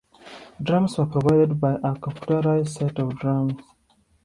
Drums were provided by a computerized set of drums.